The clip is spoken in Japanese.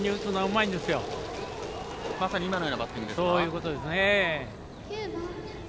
まさに今のようなバッティングですか。